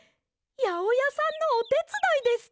やおやさんのおてつだいですか！？